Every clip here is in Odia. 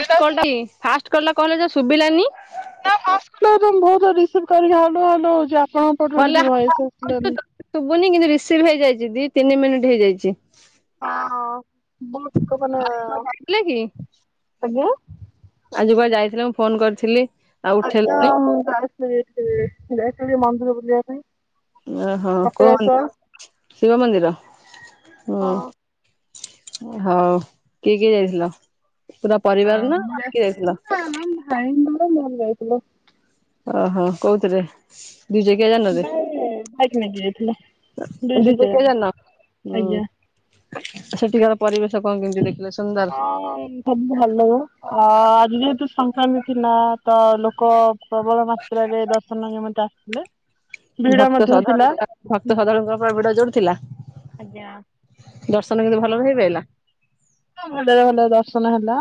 ଫାଷ୍ଟ କଲ୍ ଟା କି ଫାଷ୍ଟ କଲ୍ ଟା କଣ ହେଲା ଯୋଉ ଶୁଭିଲାନି? ନା ଫାଷ୍ଟ କଲ୍ ତ ରିସିଭ୍ କରିଲି ହାଲୋ ହାଲୋ ହଉଚି ଆପଣଙ୍କ ପଟୁରୁ ଭଲ କିଛି ଭଏସ୍ ଆସିଲାନି। ଶୁଭୁନି କିନ୍ତୁ ରିସିଭ୍ ହେଇଯାଇଚି ଦି ତିନି ମିନିଟ ହେଇଯାଇଚି। ହ ବହୁତ କଲା କୁଆଡେ ଯାଇଥିଲେ କି? ଆଜ୍ଞା। ଆଜି କୁଆଡେ ଯାଇଥିଲ ମୁଁ ଫୋନ କରିଥିଲି। ଆଉ ଆଜ୍ଞା ଉଠେଇଲନି [unintelligible] ଯାଇଥିଲି ମନ୍ଦିର ବୁଲିବାପାଇଁ। ଓ ହୋ କୋଉ ମନ୍ଦିର ଶିବ ମନ୍ଦିର ହୁଁ। ହଁ ହଉ କିଏ କିଏ ଯାଇଥିଲ ପୁରା ପରିବାର ନା ମୁଁ କିଏ ଯାଇଥିଲି ଯାଇଥିଲ? ନା ନା ଭାଇଙ୍କର ମୋର ଯାଇଥିଲୁ। ଓ ହୋ କୋଉଥିରେ? ଦି ଚକିଆ ଯାନରେ ଭାଇ ଭାଇକ୍ ନେଇକି ଯାଇଥିଲେ ଦି ଦୁଇଶତ ଚକିଆ [unintelligible] ଯାନ? ହୁଁ ଆଜ୍ଞା। ସେଠିକାର ପରିବେଶ କଣ କେମିତି ଦେଖିଲ? ହଁ ସବୁ ଭଲ ଆ-ଆଜି ଯେହେତୁ ସଂକ୍ରାନ୍ତି ଥିଲା ତ ଲୋକ ପ୍ରବଳ ମାତ୍ରାରେ ଦର୍ଶନ ନିମନ୍ତେ ଆସିଥିଲେ। ଭିଡ ଭକ୍ତ ମଧ୍ୟ ଶ୍ରଦ୍ଧାଳୁ ଥିଲା। ଭକ୍ତ ସଧାଳୁଙ୍କ ପାଇଁ ଭିଡ ଜୋର୍ ଥିଲା ଆଜ୍ଞା। ଦର୍ଶନ କିନ୍ତୁ ଭଲରେ ହେଇପାଇଲା। ହଁ ଭଲରେ ଭଲରେ ଦର୍ଶନ ହେଲା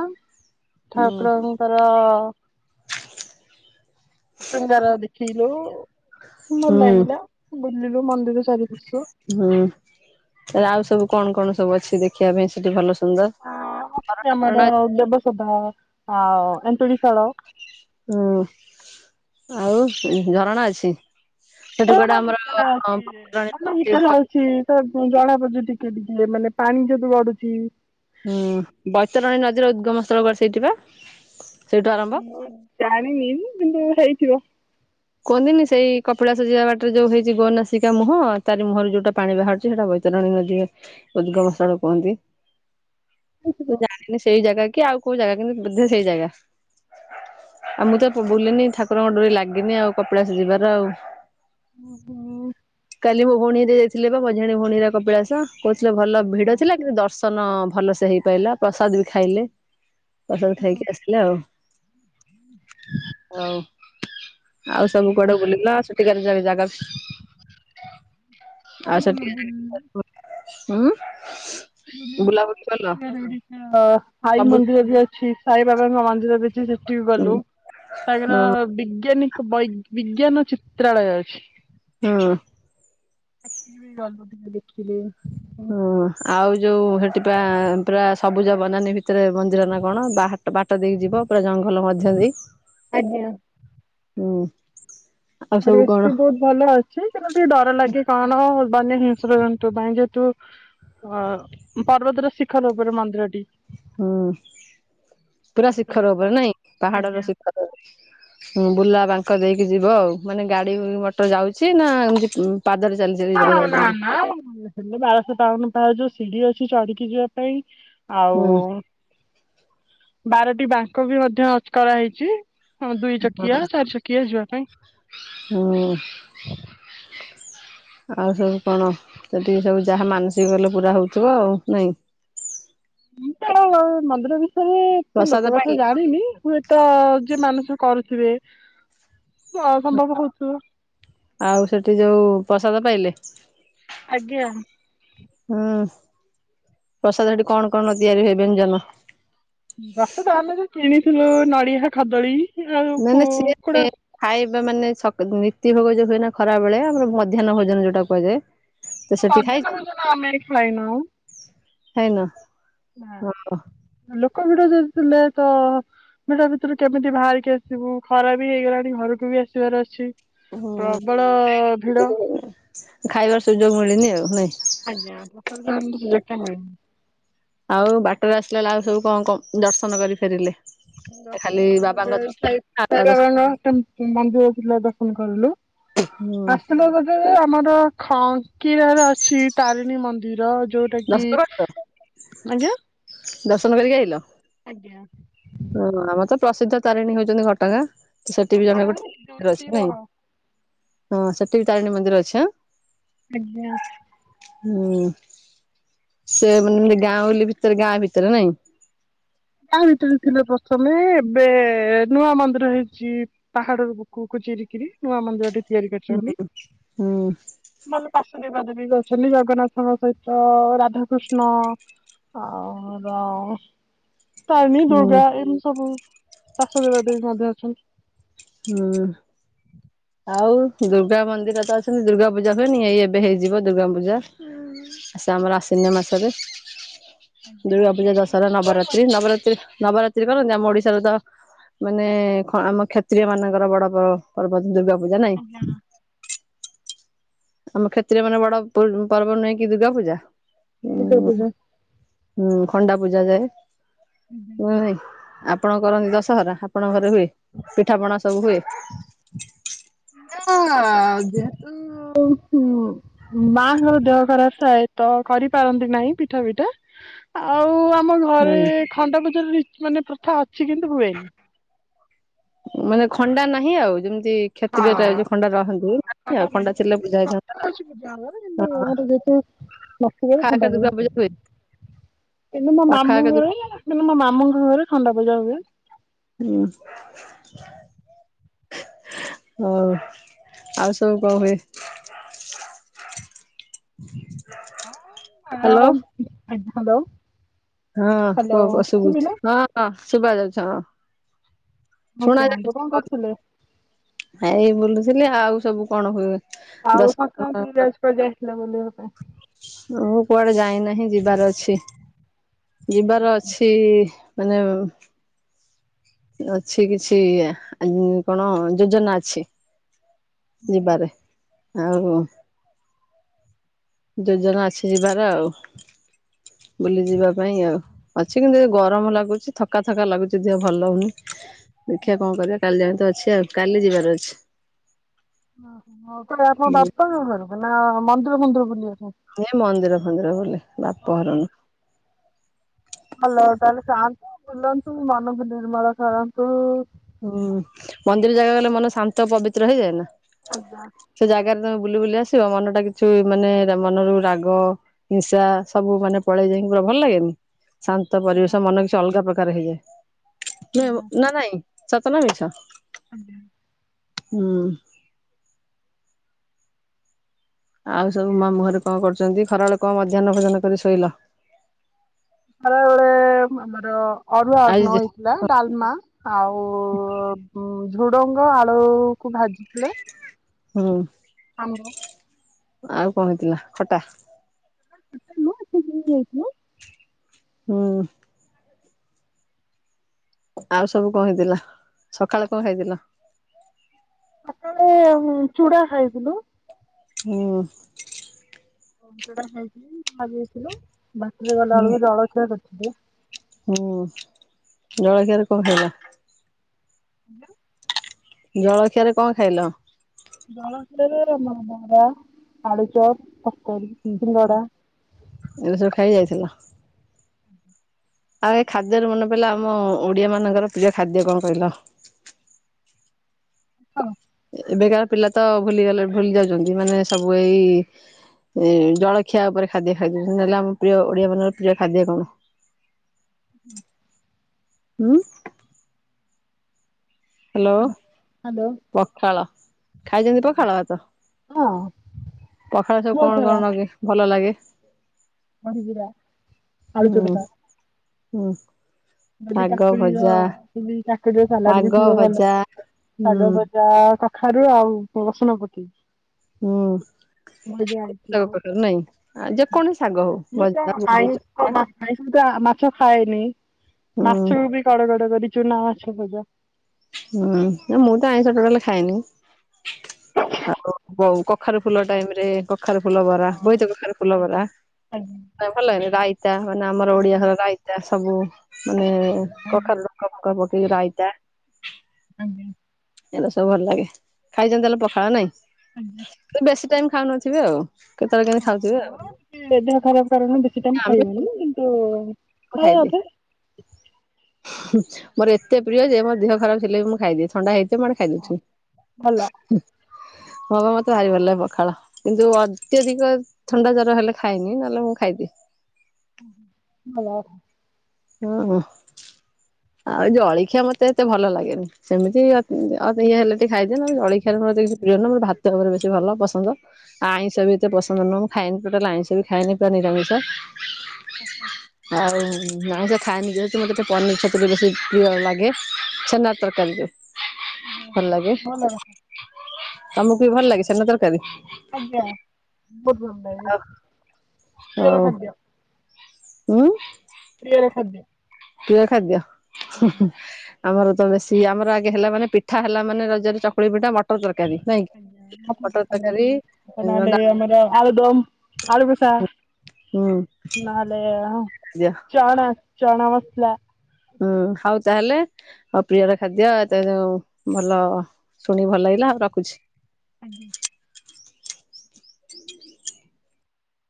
ହୁଁ ଠାକୁର ର ଶୃଙ୍ଗାର ଦେଖିଲୁ। ଭଲ ହୁଁ ଲାଗିଲା ବୁଲିଲୁ ମନ୍ଦିର ଚାରି ପାର୍ଶ୍ୱ। ହୁଁ ଆଉ ସବୁ କଣ କଣ ସବୁ ଅଛି ଦେଖିବା ପାଇଁ ସେଠି ଭଲ ସୁନ୍ଦର? ଆ ଅଛି ଆମର ଝରଣା ଦେବସଭା ଆଉ ଏନ୍ତୁଡିଶାଳ। ହୁଁ ଆଉ ଝରଣା ଅଛି? ସେଠି କୁଆଡେ ଝରଣା ଆମର ଭିତରେ ଅଛି ଯେ ବୈତରଣୀ [unintelligible] ନଦୀ ଭିତରେ ଅ ହୁଁ ଛି ତ ଜଣାପଡୁଛି ଟିକେ ଟିକେ ମାନେ ପାଣି ଯେହେତୁ ଗଡୁଚି। ହୁଁ ବୈତରଣୀ ନଦୀର ଉଦଗମ୍ ସ୍ଥଳ କୁଆଡେ ସେଇଠି ବା ସେଇଟୁ ଆରମ୍ଭ। ଜାଣିନି କିନ୍ତୁ ହେଇଥିବ। କୁହନ୍ତିନି ସେଇ କପିଳାସ ଯିବା ବାଟରେ ଯୋଉ ହେଇଚି ଗୋନାସିକା ମୁହଁ ତାରି ମୁହଁରୁ ଯୋଉଟା ପାଣି ବାହାରୁଚି ସେଇଟା ବୈ ତରଣୀ ନଦୀ ଉଦଗମ୍ ସ୍ଥଳ କୁହନ୍ତି ତ ହେଇଥିବ ଜାଣିନି ସେଇ ଜାଗା କି ଆଉ କୋଉ ଜାଗା କିନ୍ତୁ ବୋଧେ ସେଇ ଜାଗା ଆଉ ମୁଁ ତ ବୁ-ବୁଲିନି ଠାକୁରଙ୍କ ଡୋରି ଲାଗିନି ଆଉ। କପିଳାସ ଯିବାର ଆଉ। କାଲି ମୋ ଭଉଣୀ ହେରିକା ଯାଇଥିଲେ ବା ମଝିଆଣି ଭଉଣୀ ହେରିକା କପିଳାସ। କହୁଥିଲେ ଭଲ ଭିଡ଼ ଥିଲା କିନ୍ତୁ ଦର୍ଶନ ଭଲ ସେ ହେଇପାଇଲା ପ୍ରସାଦ ବି ଖାଇଲେ। ପ୍ରସାଦ ଖାଇକି ଆସିଲେ ଆଉ ହଉ। ଆଉ ସବୁ କୁଆଡେ ବୁଲିଲ ସେଠିକାର ଜା-ଜାଗା ଆଉ ସେଠିକା ଯା [inaudible] ଉଁ। [inaudible] ସାଇ ସବୁ ମନ୍ଦିର ବି ଅଛି, ସାଇ ବାବାଙ୍କ ମନ୍ଦିର ବି ସେଠି ବି ହଁ ଗଲୁ। ହଁ ତାଙ୍କର ବିଜ୍ଞାନିକ ବୈ ବିଜ୍ଞାନ ଚିତ୍ରାଳୟ ଅଛି। ହଁ। [unintelligible] ଗଲୁ ଟିକେ ଦେଖିଲୁ। ହୁଁ, ଆଉ ଯୋଉ ହେଠି ପା ପୁରା ସବୁଜ ବନାନି ଭିତ ରେ ମନ୍ଦିର ନା କଣ? ବା ବାଟ ଦେଇ ଯିବ ପୁରା ଜଙ୍ଗଲ ମଧ୍ୟ ଦେଇ। ଆଜ୍ଞା। ହୁଁ। ଆଉ ସବୁ ପରିବେଶ କଣ ବି ବହୁତ ଭଲ ଅଛି। କିନ୍ତୁ ଟିକେ ଡର ଲାଗେ କାରଣ ବନ୍ୟ ହିଂସ୍ରଜନ୍ତୁ ପାଇଁ। ଯେହେତୁ ଅ ପର୍ବତର ଶିଖର ଉପରେ ମନ୍ଦିରଟି। ହୁଁ ପୁରା ଶିଖର ଉପରେ ନାଇଁ ଆଜ୍ଞା। ପାହାଡର ଶିଖର ହୁଁ ବୁଲା ବାଙ୍କ ଦେଇକି ଯିବ ଆଉ। ମାନେ ଗାଡ଼ି ମଟର ଯାଉଛି ନା ଏମିତି ପାଦରେ ଚାଲିଚାଲି [unintelligible] ନା ନା [unintelligible] ବାରଶହ- ବାଉନ -ପାହାଚ ଯୋଉ ସିଡି ଅଛି ଚଢି଼କି ଯିବା ପାଇଁ ଆଉ ହୁଁ ବାରଟି ବାଙ୍କ ବି ମଧ୍ୟ କରାହେଇଛି। ହଁ, ଦୁଇ ଚକିଆ, ଚାରି ଚକିଆ ଯିବା ପାଇଁ। ହୁଁ [inaudible] ଆଉ ସବୁ କଣ, ସେଠି ସବୁ ଯାହା ମାନସିକ କଲେ ପୁରା ହେଉଥିବ ଆଉ ନାଇଁ? ମୁଁ ତ ମନ୍ଦିର ବିଷୟରେ ଏତେ ପ୍ରସାଦ ଲୋକ କଥା ପାଇଲେ ଜାଣିନି। ହୁଏତ ଯିଏ ମାନସିକ କରୁଥିବେ ଅ ସମ୍ଭବ ହଉଥିବ। ଆଉ ସେଠି ଯୋଉ ପ୍ରସାଦ ପାଇଲେ? ଆଜ୍ଞା। ହୁଁ, ପ୍ରସାଦ ହେଠି କଣ କଣ ତିଆରି ହୁଏ ବ୍ୟଞ୍ଜନ? ପ୍ରସାଦ ଅମେ ଯୋଉ କିଣିଥିଲୁ ନଡ଼ିଆ, ଖଦଳୀ। ଆଉ କୁକୁଡା [unintelligible] ଖାଇବା ମାନେ ସ ନୀତି ଭୋଗ ଯୋଉ ହୁଏ ନା ଖରାବେଳେ, ଆମର ମଧ୍ୟାହ୍ନ ଭୋଜନ ଯୋଉଟା କୁହାଯାଏ। ତ ସେଠି ମଧ୍ୟାନ ଖାଇଛନ୍ତି ଭୋଜନ ଆମେ ଖାଇ ନାହୁଁ। ଖାଇନ? ନା, ହଁ ଲୋକ ଭିଡ଼ ଯେହେତୁ ଥିଲେ ତ ଭିଡ଼ ଭିତରୁ କେମିତି ବାହାରିକି ଆସିବୁ? ଖରା ବି ହେଇଗଲାଣି ଘରକୁ ବି ଆସିବାର ଅଛି। ପ୍ରବଳ ଭିଡ଼। ଖାଇବାର ସୁଯୋଗ ମିଳିନି ଆଉ ନାଇଁ? ଆଜ୍ଞା [unintelligible] ସୁଯୋଗ ଟା ମିଳିନି। ଆଉ ବାଟରେ ଆସିଲା ବେଳେ ଆଉ ସବୁ କଣ କ ଦର୍ଶନ କରି ଫେରିଲେ? ଖାଲି ଦର୍ଶନ ବାବାଙ୍କ [unintelligible] ଦର୍ଶନ ତା ଦର୍ଶନ ସାଇବାବାଙ୍କ ମନ୍ଦିର ଥିଲା ଦର୍ଶନ କରିଲୁ। ହୁଁ। [unintelligible] ଆମର ଖଙ୍କିରା ରେ ଅଛି ତାରିଣୀ ମନ୍ଦିର ଯୋଉ ଦର୍ଶନ କରିଲ, ଦର୍ଶନ କରିକି ଆଇଲ? ଆଜ୍ଞା। ହଁ, ଆମର ତ ପ୍ରସିଦ୍ଧ ତାରିଣୀ ହଉଛନ୍ତି ଘଟଗାଁ। ସେଠି ଆଜ୍ଞା ବି ଜଣେ ଗୋଟେ [unintelligible] ଅଛି ନାଇଁ? ହଁ ସେଠି ବି ତାରିଣୀ ମନ୍ଦିର ଅଛି ଆଁ? ଆଜ୍ଞା। ହୁଁ ସେ ମାନେ ଗାଉଁଲି ଭିତରେ ଗାଁ ଭିତରେ ନାଇଁ? ଗାଁ ଭିତରେ ଥିଲେ ପ୍ରଥମେ। ଏବେ ନୂଆ ମନ୍ଦିର ହେଇଛି। ପାହାଡର ବୁକୁ କୁ ଚିରିିକିରି ନୂଆ ମନ୍ଦିରଟିଏ ତିଆରି କରିଛନ୍ତି। ହୁଁ ଭଲ ପାାର୍ଶ ଦେବା ଦେବୀ ଅଛନ୍ତି। ଜଗନ୍ନାଥଙ୍କ ସହିତ ରାଧାକୃଷ୍ଣ। ଆଉ ତାରିଣୀ, ହୁଁ ଦୁର୍ଗା ଏମିତି ସବୁ ପାର୍ଶ୍ଵ ଦେବା ଦେବୀ ମଧ୍ୟ ଅଛନ୍ତି। ହୁଁ। ଆଉ ଦୁର୍ଗା ମନ୍ଦିର ତ ଅଛି ଦୁର୍ଗା ପୂଜା ହୁଇନି ଏଇ ଏବେ ହେଇଯିବ ଦୁର୍ଗା ପୂଜା। ସେ ଆମର ଆଶିନ୍ୟ ମାସ ରେ। ଦୁର୍ଗା ପୂଜା, ଦଶହରା, ନବରାତ୍ରୀ ନବରାତ୍ରୀ ନବ ତ୍ରି କରନ୍ତି ଆମ ଓଡିଶାରେ ତ ମାନେ ଖ ଆମ କ୍ଷତ୍ରୀୟ ମାନଙ୍କର ବଡ ପ ପର୍ବ। ଦୂର୍ଗା ପୂଜା ନା। ନା। ଆମ କ୍ଷତ୍ରୀୟଙ୍କର ବଡ [unintelligible] ପର୍ବ ନୁହେଁ କି ଦୁର୍ଗା ପୂଜା? ଦୁର୍ଗା ପୂଜା। ହୁଁ ଖଣ୍ଡା ପୂଜା ଯାଏ ହୁଏ ନାଇ ଆ ଆପଣ କରନ୍ତି ଦଶହରା ଆପଣଙ୍କ ଘରେ ହୁଏ ପିଠାପଣା ସବୁ ହୁଏ? ନା ଯେହେତୁ ହୁଁ। ମାଙ୍କର ଦେହ ଖରାପ ଥାଏ ତ କରିପାରନ୍ତି ନାହିଁ ପିଠା ପିଠା। ଆଉ ଆମ ଘରେ ହୁଁ ଖଣ୍ଡପୂଜାର ରି ମାନେ ପ୍ରଥା ଅଛି କିନ୍ତୁ ହୁଏନି। ଉଁ ମାନେ ଖଣ୍ଡା ନାହିଁ ଆଉ ଯେମିତି। କ୍ଷତ୍ରୀୟର ଏ ଯୋଉ ଖଣ୍ଡା ରହନ୍ତି ନାହି ଆଉ ଖଣ୍ଡା ଥିଲେ ପୂଜା ହେଇଥାନ୍ତା କିନ୍ତୁ ଅ ଅ। ଆମର ଯେହେତୁ ନଥିବାରୁ ଖଣ୍ଡା ଖାରକ ଦୁର୍ଗା ହୁଏନି ପୂଜା ହୁଏ। କିନ୍ତୁ ମୋ ପାଖଆଖ ମାମୁଁ ଘରେ କିନ୍ତୁ ମୋ ମାମୁଁଙ୍କ ଘରେ ଖଣ୍ଡା ପୂଜା ହୁଏ। ହୁଁ। ହଉ। ଆଉ ସବୁ କଣ ହୁଏ? ଅଁ ହ୍ୟାଲୋ ଆଉ [unintelligible] ହାଲୋ। ହଁ କୁହ କୁହ ଶୁଭୁଛି ହଁ ଶୁଭା ଯାଉଛି ହଁ। ହଁ ଶୁଣା କୁହନ୍ତୁ ଯାଉଛି କଣ କରୁଥିଲେ? ଏଇ ବୁଲୁଥିଲି। ଆଉ ସବୁ କଣ ହୁଏ? ଆଉ ଦଶ ସକାଳ [unintelligible] ଯାଇଥିଲ ବୁଲିବା ପାଇଁ। ମୁଁ କୁଆଡେ ଯାଇନାହିଁ ଯିବାର ଅଛି ଯିବାର ଅଛି। ମାନେ ଅଛି କିଛି ଆ [unintelligible] କଣ। ଯୋଜନା ଅଛି। ଯିବାରେ ଆଉ କ। ଯୋଜନା ଅଛି ଯିବାର ଆଉ ବୁଲି ଯିବା ପାଇଁ ଆଉ। ଅଛି କିନ୍ତୁ ଏ ଗରମ ଲାଗୁଛି ଥକାଥକା ଲାଗୁଛି ଦେହ ଭଲ ହଉନି। ଦେଖିବା କଣ କରିବା କାଲି ଯାଏଁ ତ ଅଛି ଆଉ କାଲି ଯିବାର ଅଛି। ଓହୋ ହଉ [unintelligible] ବାପାଙ୍କ ଘରକୁ ନା ମନ୍ଦିର ଫନ୍ଦିର ବୁଲିିବାକୁ। ଏ ମନ୍ଦିର ଫନ୍ଦିର ବୁଲି ବାପ ଘରୁ ନୁହ। ଭଲ ତାହେଲେ ଯାଆନ୍ତୁ ବୁଲନ୍ତୁ ମନକୁ ନିର୍ମଳ କରନ୍ତୁ। ହୁଁ ମନ୍ଦିର ଜାଗା ଗଲେ ମନ ଶାନ୍ତ, ପବିତ୍ର ହେଇଯାଏ ନା। ଆଜ୍ଞା। ସେ ଜାଗାରେ ତମେ ବୁଲି ବୁଲି ଆସିବ ମନ ଟା କିଛି ମାନେ ରେ ମନରୁ ରାଗ। ହିଂସା ସବୁ ମାନେ ପଳେଇ ଯାଇଁକି ପୁରା ଭଲ ଲାଗେନି। ଶାନ୍ତ ଆଜ୍ଞା ପରିବେଶ ମନ କିଛି ଅଲଗା ପ୍ରକାର ହେଇଯାଏ ଆଜ୍ଞା [unintelligible] ନା ନାଇଁ। ସତ ନା ମିଛ? ଆଜ୍ଞା ହୁଁ। ଆଉ ସବୁ ମାମୁଁ ଘରେ କଣ କରୁଛନ୍ତି? ଖରାବେଳେ କଣ ମଧ୍ୟାହ୍ନ ଭୋଜନ କରି ଶୋଇଲ? ଖରାବେଳେ ଆମର ଅରୁଆ ଆଜି ନଇ ଲା ଡାଲମା ଆଉ ଉଁ ଝୁଡୁଙ୍ଗ, ଆଳୁ କୁ ଭାଜିଥିଲେ। ହୁଁ। ଆମ୍ବ। ଆଉ କଣ ହେଇଥିଲା ଖଟା? ଖଟା ନୁହ ଏତିକି [unintelligible] ହେଇଥିଲା। ହୁଁ ଆଉ ସବୁ କଣ ହେଇଥିଲା ସକାଳେ କଣ ଖାଇଥିଲ? ସକାଳେ ଚୂଡା ଖାଇଥିଲୁ। ହୁଁ ଓପେଡା ଖାଇଥିଲି ଖାଇଦେଇଥିଲୁ ବାଟରେ ଗଲା ହୁଁ ବେଳକୁ ଜଳଖିଆ କରିଥିଲୁ। ହୁଁ ଜଳଖିଆରେ କଣ ଖାଇଲ। ଆଜ୍ଞା ଜଳଖିଆରେ କଣ ଖାଇଲ? ଜଳଖିଆରେ ବରା ଆଳୁଚପ ତରକାରୀ ସିଙ୍ଗଡ଼ା। ଏରା ସବୁ ଖାଇକି ଯାଇଥିଲ। ଆଉ ଏ ଖାଦ୍ୟରୁ ମନେ ପଇଲା ଆମ ଓଡିଆ ମାନଙ୍କର ପ୍ରିୟ ଖାଦ୍ୟ କଣ କହିଲ? ହଁ ଏବେକାର ପିଲା ତ ଭୁଲିଗଲେ ଭୁଲି ଯାଉଛନ୍ତି ମାନେ ସବୁ ଏଇ ଜଳଖିଆ ଉପରେ ଖାଦ୍ୟ ଖାଇ ଦେଉଛନ୍ତି ନହେଲେ ଆମ ପ୍ରିୟ ଓଡିଆ ମାନଙ୍କର ପ୍ରିୟ ଖାଦ୍ୟ କଣ? ହୁଁ ହ୍ୟାଲୋ ହ୍ୟାଲୋ ପଖାଳ। ଖାଇଛନ୍ତି ପଖାଳ ଭାତ ହଁ ପଖାଳ ସବୁ କଣ ଜଳଖିଆ କଣ ନଗେଇ ଭଲ ଲାଗେ। ବଢିଚୁରା ଆଳୁ ହୁଁ ଚକଟା ହୁଁ ଯଦି ଶାଗ କାକୁଡିର ଭଜା କାକୁଡିର ସାଲାଡ ବି ଶାଗ ଥିବ ଭଲ ଭଜା ଭାବରେ। ହୁଁ ଶାଗ ଭଜା କଖାରୁ ଆଉ ରଶୁଣ ପକେଇକି। ହୁଁ ତାଙ୍କ କଠାରୁ ନାଇଁ। ଆ ଯେକୌଣସି ଶାଗ ହଉ ଭଜା ଖାଇଥିବୁ ତା ମାଛ ଖାଏନି ହୁଁ ମାଛ ବି କଡ କଡ କରି ଚୁନା ମାଛ ଭଜା। ହୁଁ ମୁଁ ତ ଆଇଁଷ ଟୋଟାଲି ଖାଏନି। ଆଉ କଖାରୁ ଫୁଲ ଟାଇମରେ କଖାରୁ ଫୁଲ ବରା ବୋଇତ କଖାରୁ ଫୁଲ ବରା। ଭଲଲାଗେ ରାଇତା ମାନେ ଆମର ଓଡିଆ ଘର ରାଇତା ତାର ସବୁ ମାନେ କଖାରୁ ଡଙ୍କଫଙ୍କ ପକେଇକି ରଇତା। ଆଜ୍ଞା ଏଇନା ସବୁ ଭଲ ଲାଗେ ଖାଇଛନ୍ତି ତାହେଲେ ପଖାଳ ନାଇଁ ତ ବେଶୀ ଟାଇମ୍ ଖାଉନଥିବେ ଆଉ। କେତେବେଳେ କେମିତି ଖାଉଥିବେ ଆଉ ହଁ ଦେହ ଖରାପ କାରଣ ବେଶୀ ଟାଇମ ଆମେ ଖାଇବୁନି କିନ୍ତୁ ସବୁବେଳେ ଥରେ ଖାଇଦିଏ ଅଧେ। ମୋର ଏତେ ପ୍ରିୟ ଯେ ମୋ ଦେହ ଖରାପ ଥିଲେ ବି ମୁଁ ଖାଇଦିଏ ଥଣ୍ଡା ହେଇ ସେ ମଡେ ଖାଇଦଉଛି ଭଲ ହଁ ବା ମତେ ଭାରି ଭଲ ଲାଗେ ପଖାଳ। କିନ୍ତୁ ଅତ୍ୟଧିକ ଥଣ୍ଡା ଜ୍ବର ହେଲେ ଖାଏନି ନହେଲେ ମୁଁ ଖାଇଦିଏ। ଭଲ କଥା। ହଁ ଆଉ ଜଳଖିଆ ମତେ ଏତେ ଭଲ ଲାଗେନି ସେମିତି ଅଧିକା ହେଲେ। ଟିକେ ଖାଇଦିଏ ନହେନେ ଜଳଖିଆରେ ମୋର ଏତେ କିଛି ପ୍ରିୟ ନୁହଁ ମୋର ଭାତ ଉପରେ ବେଶୀ ଭଲ ପସନ୍ଦ। ଆଇଁଷ ବି ଏତେ ପସନ୍ଦ ନୁହଁ ମୁଁ ଖାଏନି ଟୋଟାଲ ଆଇଁଷ ବି ଖାଏନି ପୁରା ନିରାମିଷ। ଆଉ ମାଂସ ଖାଏନି ଯେହେତୁ ମୋତେ ପନିର ଛତୁ ବେଶୀ ପ୍ରିୟ ଲାଗେ ଛେନା ତରକାରୀ ଯୋଉ କଥା। ଭଲ ଲାଗେ। ଭଲ କଥା ତମକୁ ବି ଭଲ ଲାଗେ ଛେନା ତରକାରୀ। ଆଜ୍ଞା ବହୁତ ଭଲ ଲାଗେ। ପ୍ରିୟର ହଉ। ଖାଦ୍ୟ ହୁଁ। ପ୍ରିୟର ଖାଦ୍ୟ। ପ୍ରିୟ ଖାଦ୍ୟ। ହୁଁ ଆଜ୍ଞା ହୁଁ ଆମର ତ ବେଶୀ ଆମର ଆଗେ ହେଲା ମାନେ ପିଠା ହେଲା ମାନେ ରଜରେ ଚକୁଳି ପିଠା ମ ମଟର ତରକାରୀ ନାଇକି ମଟର ତରକାରୀ ନହେଲେ ଡ଼ା ଆମର ଆଳୁ ଦମ ଆଳୁ କଷା ହୁଁ ନହେଲେ [inaudible] ଚଣା ଚଣା ମସଲା। ହୁଁ ହଉ ତାହେଲେ। ଆଉ ପ୍ରିୟର ଖାଦ୍ୟ ଏତେ ଯଉ ଭଲ ଶୁଣିକି ଭଲ ଲାଗିଲା ଆଉ ରଖୁଛି। ଆଜ୍ଞା